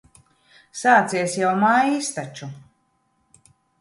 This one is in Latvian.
Sācies jau maijs taču.